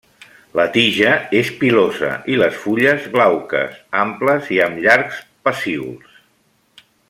La tija és pilosa i les fulles glauques, amples, i amb llargs pecíols.